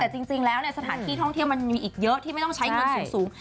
แต่จริงแล้วสถานที่ท่องเที่ยวมันมีอีกเยอะที่ไม่ต้องใช้เงินสูง